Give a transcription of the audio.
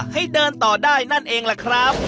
ให้เดินต่อได้นั่นเองล่ะครับ